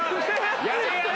やれやれ！